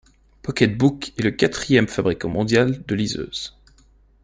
PocketBook est le quatrième fabriquant mondial de liseuses.